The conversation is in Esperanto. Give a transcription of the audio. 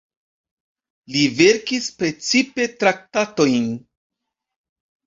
Li verkis precipe traktatojn.